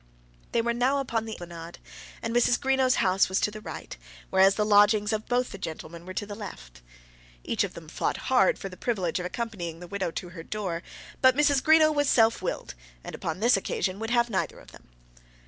They were now upon the esplanade, and Mrs. Greenow's house was to the right, whereas the lodgings of both the gentlemen were to the left. Each of them fought hard for the privilege of accompanying the widow to her door; but Mrs. Greenow was self willed, and upon this occasion would have neither of them.